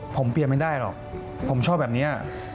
ผมเปลี่ยนไม่ได้หรอกผมชอบแบบนี้